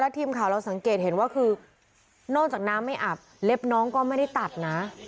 ทีมข่าวเราสังเกตเห็นว่าคือนอกจากน้ำไม่อับเล็บน้องก็ไม่ได้ตัดนะ